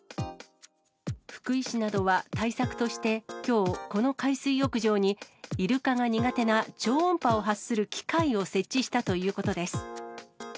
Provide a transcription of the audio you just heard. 福井市などは対策として、きょう、この海水浴場に、イルカが苦手な超音波を発する機械を設置したということです。